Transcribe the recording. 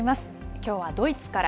きょうはドイツから。